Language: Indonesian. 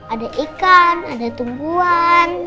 ada ikan ada tumbuhan